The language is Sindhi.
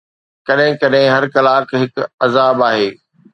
ڪڏهن ڪڏهن هر ڪلاڪ هڪ عذاب آهي